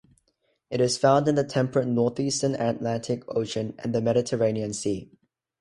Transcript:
It is found in the temperate northeastern Atlantic Ocean and the Mediterranean Sea.